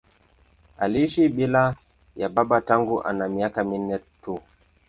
Aliishi bila ya baba tangu ana miaka minne tu.